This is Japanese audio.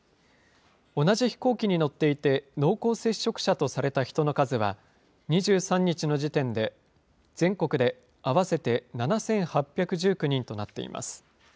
同じ飛行機に乗っていて濃厚接触者とされた人の数は、２３日の時点で全国で合わせて７８１９人となっています。